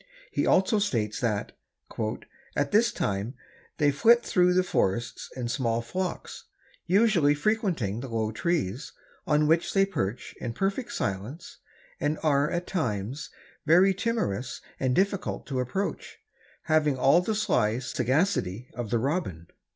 He also states that "at this time they flit through the forests in small flocks, usually frequenting the low trees, on which they perch in perfect silence and are at times very timorous and difficult to approach, having all the sly sagacity of the robin."